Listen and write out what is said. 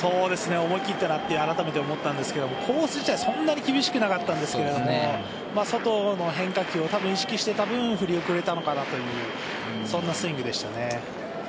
思い切ったなとあらためて思ったんですがコース自体はそんなに厳しくなかったんですが外の変化球を多分意識していた分振り遅れたのかなというそんなスイングでした。